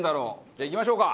じゃあいきましょうか。